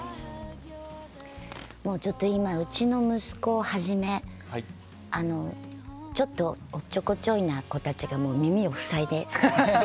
ちょっと今うちの息子をはじめちょっとおっちょこちょいな子たちが耳を塞いで。